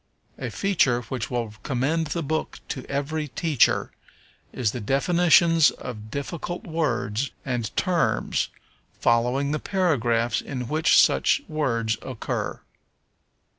A feature which will commend the book to every teacher is the definitions of difficult words and terms, following the paragraphs in which such words occur.